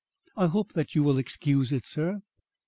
I hope that you will excuse it, sir."